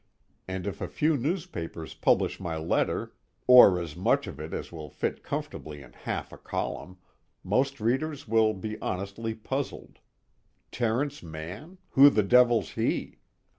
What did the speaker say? And if a few newspapers publish my letter, or as much of it as will fit comfortably in half a column, most readers will be honestly puzzled: Terence Mann, who the devil's he?